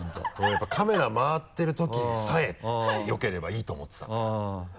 やっぱカメラ回ってる時さえよければいいと思ってたから。